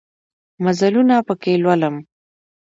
مزلونه پکښې لولم